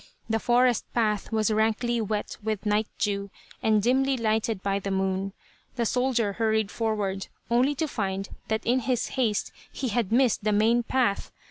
The forest path was rankly wet with night dew, and dimly lighted by the moon. The soldier hurried forward, only to find that in his haste he had missed the main path.